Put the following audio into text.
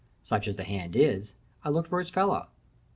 Such as the hand is, I looked for its fellow.